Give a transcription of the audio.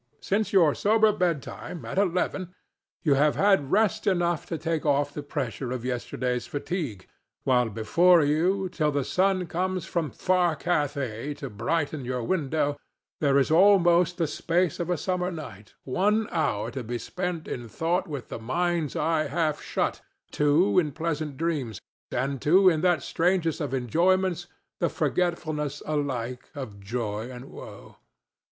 Since your sober bedtime, at eleven, you have had rest enough to take off the pressure of yesterday's fatigue, while before you, till the sun comes from "Far Cathay" to brighten your window, there is almost the space of a summer night—one hour to be spent in thought with the mind's eye half shut, and two in pleasant dreams, and two in that strangest of enjoyments the forgetfulness alike of joy and woe.